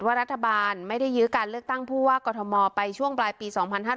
รัฐบาลไม่ได้ยื้อการเลือกตั้งผู้ว่ากรทมไปช่วงปลายปี๒๕๕๙